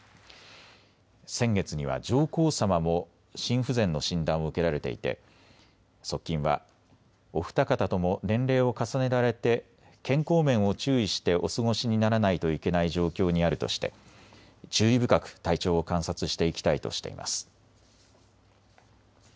先月には上皇さまも心不全の診断を受けられていて側近はお二方とも年齢を重ねられて健康面を注意してお過ごしにならないといけない状況にあるとして注意深く体調を観察していきたいとしています。